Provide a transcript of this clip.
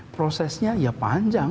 prosesnya ya panjang